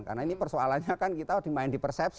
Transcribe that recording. karena ini persoalannya kan kita dimain di persepsi